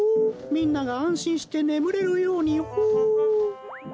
みんながあんしんしてねむれるようにホー。